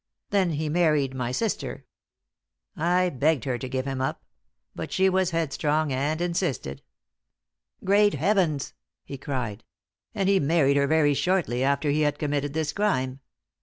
Then he married my sister. I begged her to give him up; but she was headstrong, and insisted. Great Heavens!" he cried. "And he married her very shortly after he had committed this crime.